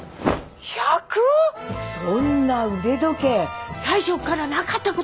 そんな腕時計最初からなかった事にしちゃいなさいよ！